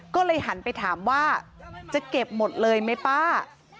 ก็เลยหันไปถามว่าจะเก็บหมดเลยไหมป้า